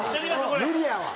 無理やわ！